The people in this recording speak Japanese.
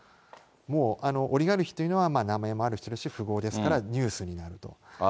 もうオリガルヒというのは、名前もあるし富豪ですから、ニュースになると。